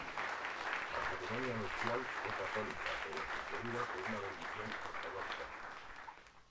La ceremonia nupcial fue católica pero sucedida por una bendición ortodoxa.